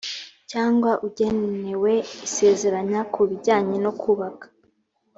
cyangwa ugenewe isezeranya ku bijyanye no kubaka